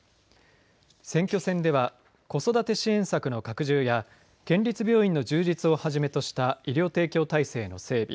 選挙戦では子育て支援策の拡充や県立病院の充実をはじめとした医療提供体制の整備。